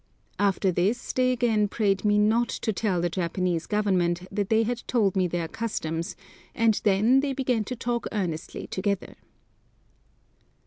After this they again prayed me not to tell the Japanese Government that they had told me their customs and then they began to talk earnestly together.